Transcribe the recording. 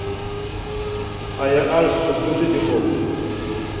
Aya ar suprizi diqu.